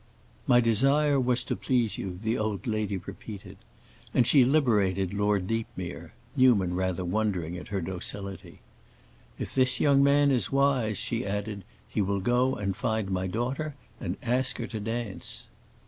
"My desire was to please you," the old lady repeated. And she liberated Lord Deepmere, Newman rather wondering at her docility. "If this young man is wise," she added, "he will go and find my daughter and ask her to dance."